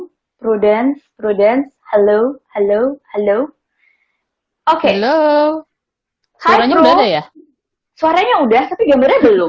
gabung prudence prudence halo halo halo oke lo karena ya suaranya udah tapi gambarnya belum